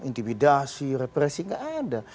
intimidasi represi tidak ada